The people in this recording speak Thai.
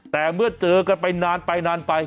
แต่เมื่อเจอกันไปนานไปนานไป